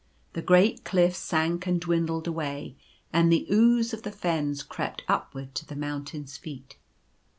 The great cliffs sank and dwindled away, and the ooze of the fens crept upward to the moun tain's feet.